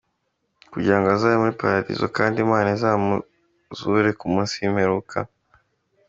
Kugirango azabe muli Paradizo kandi imana izamuzure ku munsi w’imperuka.